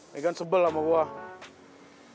megan sebel sama gue